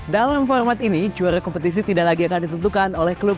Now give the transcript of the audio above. dalam format ini juara kompetisi tidak lagi akan ditentukan oleh klub